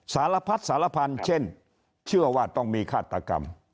สารพัดสารพันธุ์เช่นเชื่อว่าต้องมีฆาตกรรม